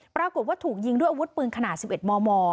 ปรากฏว่าถูกยิงด้วยอาวุธปืนขนาด๑๑มม